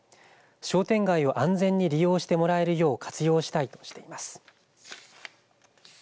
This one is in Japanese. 商店街を安全に利用してもらえるよう活用したいとしています。